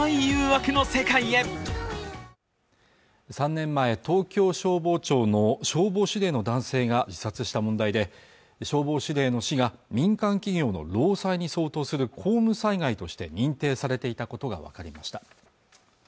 ３年前東京消防庁の消防司令の男性が自殺した問題で消防司令の死が民間企業の労災に相当する公務災害として認定されていたことが分かりました